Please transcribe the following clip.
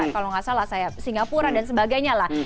kalau nggak salah saya singapura dan sebagainya lah